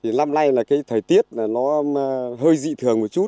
năm nay là cái thời tiết nó hơi dị thường một chút